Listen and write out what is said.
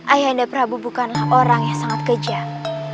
ayah anda prabu bukanlah orang yang sangat kejam